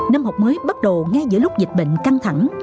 năm học mới bắt đầu ngay giữa lúc dịch bệnh căng thẳng